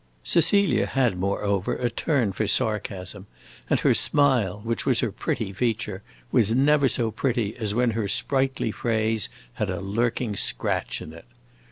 Cecilia had, moreover, a turn for sarcasm, and her smile, which was her pretty feature, was never so pretty as when her sprightly phrase had a lurking scratch in it.